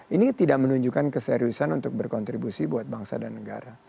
ini tidak menunjukkan keseriusan untuk berkontribusi buat bangsa dan negara